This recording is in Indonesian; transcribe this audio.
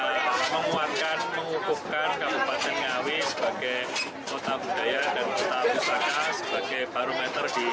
saya menguatkan mengukuhkan kabupaten ngawi sebagai kota budaya dan kota pustaka sebagai barometer di